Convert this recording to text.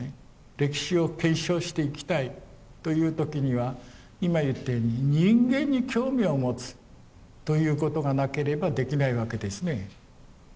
歴史を継承していきたいという時には今言ったように人間に興味を持つということがなければできないわけですね。